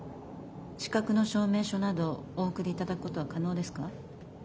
資格の証明書などお送り頂くことは可能ですか？